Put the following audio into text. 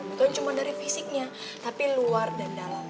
bukan cuma dari fisiknya tapi luar dan dalam